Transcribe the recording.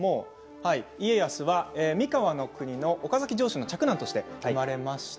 家康は三河国の岡崎城主の嫡男として生まれました。